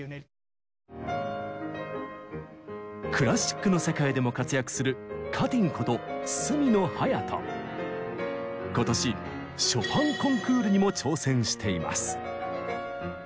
クラシックの世界でも活躍する今年ショパンコンクールにも挑戦しています。